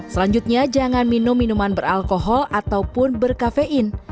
selanjutnya jangan minum minuman beralkohol ataupun berkafein